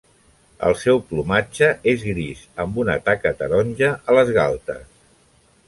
El seu plomatge és gris, amb una taca taronja a les galtes.